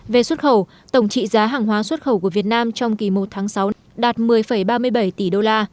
về xuất khẩu tổng trị giá hàng hóa xuất khẩu của việt nam trong kỳ một tháng sáu đạt một mươi ba mươi bảy tỷ đô la